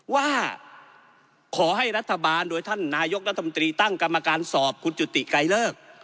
ว่าขอให้รัฐบาลโดยท่านนายกรัฐมนตรีตั้งกรรมการสอบคุณจุติไกรเลิก